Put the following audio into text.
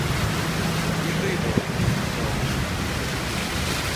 — Піди до... нього.